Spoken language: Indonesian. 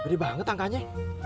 gede banget angkanya